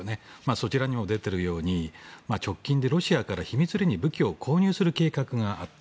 そちらにも出ているように直近でロシアから秘密裏に武器を購入する計画があった。